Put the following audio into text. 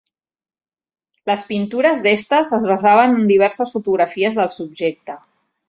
Les pintures d'Estes es basaven en diverses fotografies del subjecte.